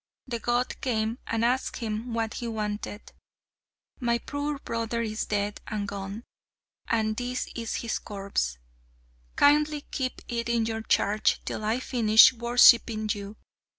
The god came, and asked him what he wanted. "My poor brother is dead and gone; and this is his corpse. Kindly keep it in your charge till I finish worshipping you.